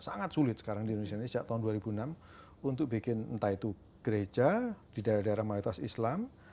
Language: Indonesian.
sangat sulit sekarang di indonesia ini sejak tahun dua ribu enam untuk bikin entah itu gereja di daerah daerah mayoritas islam